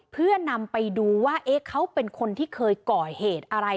เพื่อนำไปดูว่าเขาเป็นคนที่เคยก่อเหตุอะไร